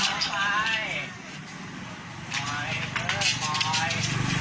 โถเลยเลยโถหลุดเลย